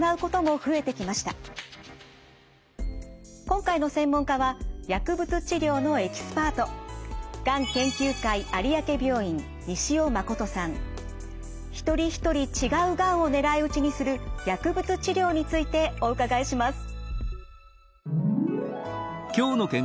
今回の専門家は薬物治療のエキスパート一人一人違うがんを狙い撃ちにする薬物治療についてお伺いします。